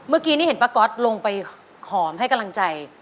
เมื่อกี้นี่เห็นป้าก๊อตลงไปหอมให้กำลังใจ